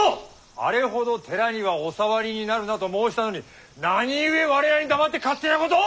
あれほど寺にはお触りになるなと申したのに何故我らに黙って勝手なことを！